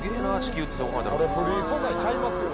これフリー素材ちゃいますよ。